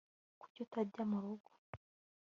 kuki utajya murugo